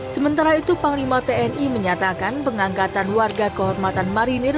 sementara itu panglima tni menyatakan pengangkatan warga kehormatan marinir